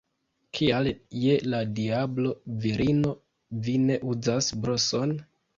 Kial je la diablo, virino, vi ne uzas broson?